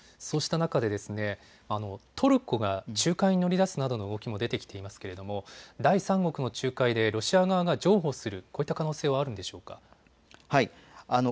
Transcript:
そうした中でトルコが仲介に乗り出すなどの動きも出てきていますけれども、第三国の仲介でロシア側が譲歩する、こういった可能性はあるんでしょうか。